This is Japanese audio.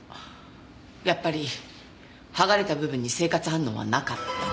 やっぱり剥がれた部分に生活反応はなかった。